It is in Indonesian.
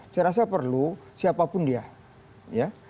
saya rasa perlu siapapun dia ya